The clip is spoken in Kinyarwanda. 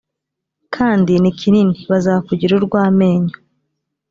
kandi ni kinini bazakugira urw amenyo